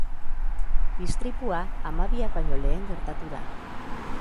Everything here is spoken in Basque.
Istripua hamabiak baino lehen gertatu da.